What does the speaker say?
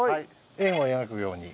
円を描くように。